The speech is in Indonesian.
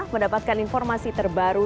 mendapatkan informasi terbaru